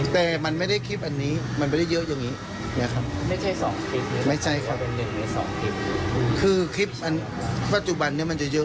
แต่มันไม่ได้คลิปอันนี้มันไม่ได้เยอะอยู่อยู่อย่างนี้